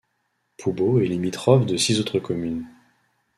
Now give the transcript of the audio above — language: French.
Poubeau est limitrophe de six autres communes.